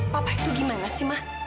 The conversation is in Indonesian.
papa itu gimana sih mah